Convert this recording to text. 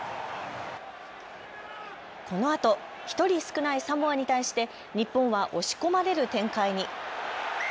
このあと１人少ないサモアに対して日本は押し込まれる展開に。